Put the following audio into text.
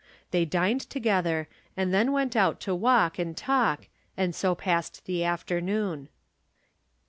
They dined together, and then went out to walk and talk, and so passed the afternoon.